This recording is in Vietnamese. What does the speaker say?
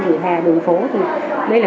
nhiều khi là cũng coi như đây là